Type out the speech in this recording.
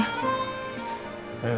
ya udah hati hati